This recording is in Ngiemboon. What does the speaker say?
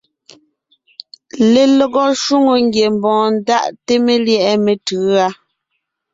Lelɔgɔ shwòŋo ngiembɔɔn ndaʼte melyɛ̌ʼɛ metʉ̌a.